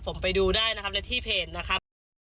ผมไปดูได้นะครับและที่เพจนะครับ